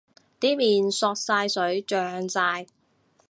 啲麵索晒水脹晒